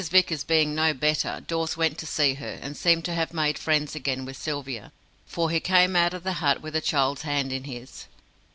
Vickers being no better, Dawes went to see her, and seemed to have made friends again with Sylvia, for he came out of the hut with the child's hand in his.